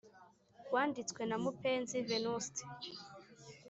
wanditswe na mupenzi venuste